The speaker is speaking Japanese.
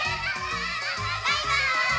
バイバーイ！